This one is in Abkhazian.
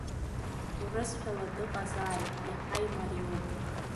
Урысшәала дыҟазааит, иаҳа имариоуп.